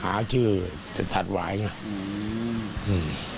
หาชื่อจะถัดหวายอย่างนั้น